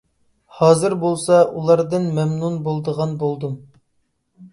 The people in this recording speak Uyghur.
ھازىر بولسا ئۇلاردىن مەمنۇن بولىدىغان بولدۇم.